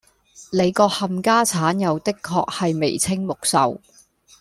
你個冚家鏟又的確係眉清目秀